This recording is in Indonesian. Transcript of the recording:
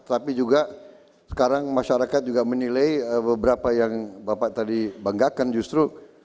tapi juga sekarang masyarakat juga menilai beberapa yang bapak tadi banggakan justru